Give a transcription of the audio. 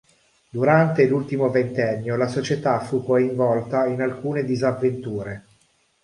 Durante l'ultimo ventennio la società fu coinvolta in alcune disavventure.